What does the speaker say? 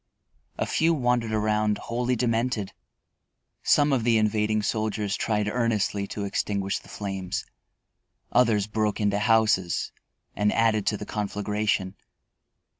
A few wandered around, wholly demented. Some of the invading soldiers tried earnestly to extinguish the flames; others broke into houses and added to the conflagration.